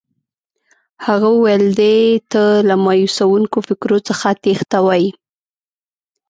هغه وویل دې ته له مایوسوونکو فکرو څخه تېښته وایي.